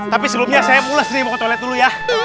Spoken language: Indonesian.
tapi sebelumnya saya mules saya mau ke toilet dulu ya